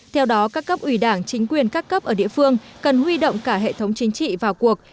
theo đó các cấp ủy đảng chính quyền các cấp ở địa phương cần huy động cả hệ thống chính trị vào cuộc